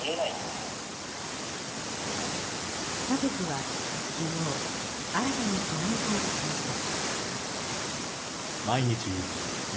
家族は昨日新たにコメントを出しました。